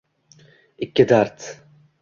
Ikki dard